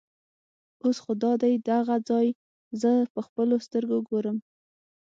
اوس خو دادی دغه ځای زه په خپلو سترګو ګورم.